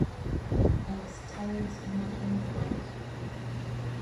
Er ist Teil des Imatong-Gebirges.